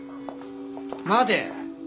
待て。